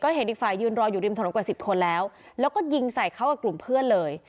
เห็นอีกฝ่ายยืนรออยู่ริมถนนกว่าสิบคนแล้วแล้วก็ยิงใส่เขากับกลุ่มเพื่อนเลย